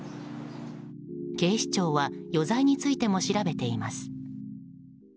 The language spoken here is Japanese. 警視庁は余罪についても調べています。